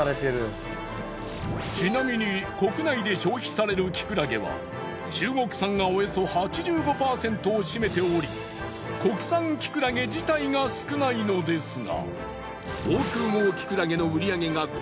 ちなみに国内で消費されるきくらげは中国産がおよそ８５％を占めており国産きくらげ自体が少ないのですが。